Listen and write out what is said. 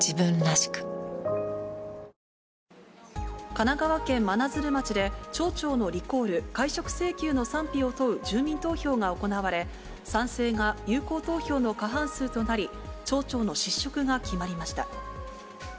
神奈川県真鶴町で、町長のリコール・解職請求の賛否を問う住民投票が行われ、賛成が有効投票の過半数となり、町長の失職が決まりました。